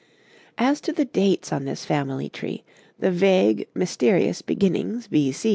As to the dates on this family tree, the vague, mysterious beginnings B.